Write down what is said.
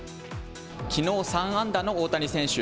きのう、３安打の大谷選手。